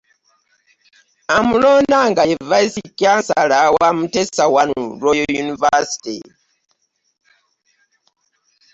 Amulonda nga ye Vice Chancellor wa Muteesa I Royal University.